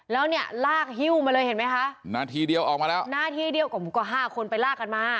แล้วเนี่ยลากฮิ้วมาเลยเห็นไหมคะนาทีเดียวออกมาแล้วนาทีเดียวก็ห้าคนไปลากกันมา